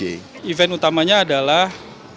event utama yang kita lakukan adalah